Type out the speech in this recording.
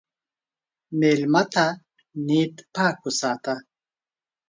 مېلمه ته نیت پاک وساته.